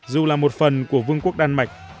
dù là một phần của vương quốc đan mạch